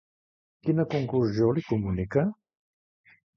Quina conclusió li comunica?